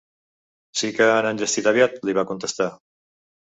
Si que han enllestit aviat, li va contestar